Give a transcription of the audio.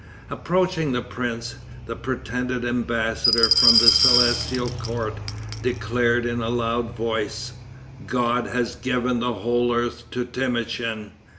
Approaching the prince, the pretended embassador from the celestial court, declared, in a loud voice, "God has given the whole earth to Temoutchin.